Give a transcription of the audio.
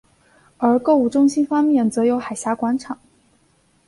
而购物中心方面则有海峡岸广场。